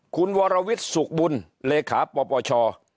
คุณวรวิทย์สุขบุญเลขาปปช